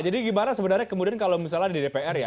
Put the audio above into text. jadi gimana sebenarnya kemudian kalau misalnya di dpr ya